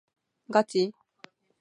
ガチ？